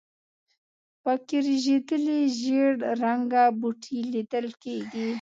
په کې رژېدلي زېړ رنګه بوټي لیدل کېږي.